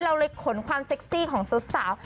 เราเลยขนความเซ็กซี่ของสาว